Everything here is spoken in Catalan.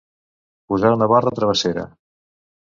Posar una barra travessera.